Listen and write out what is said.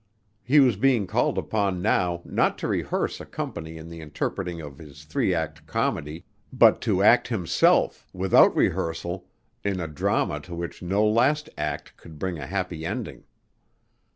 He was being called upon now not to rehearse a company in the interpreting of his three act comedy, but to act himself, without rehearsal, in a drama to which no last act could bring a happy ending.